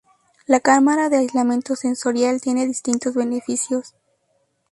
La cámara de aislamiento sensorial tiene distintos beneficios.